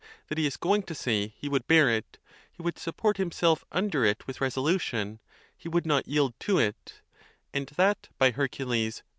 71 that he is going to say he would bear it, he would support himself under it with resolution, he would not yield to it (and that, by Hercules!